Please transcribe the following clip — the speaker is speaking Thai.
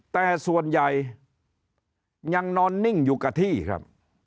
แต่ส่วนใหญ่ยังนอนนิ่งอยู่กับที่ครับ